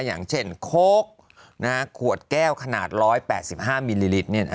อย่างเช่นโค้กขวดแก้วขนาด๑๘๕มิลลิลิตร